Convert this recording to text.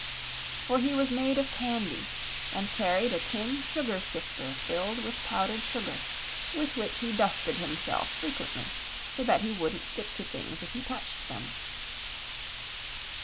For he was made of candy, and carried a tin sugar sifter filled with powdered sugar, with which he dusted himself frequently so that he wouldn't stick to things if he touched them.